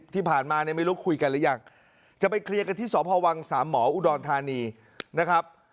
ที่ผ่านมาเนี่ยไม่รู้คุยกันหรือยังจะไปเคลียร์กันที่สพวังสามหมออุดรธานีนะครับ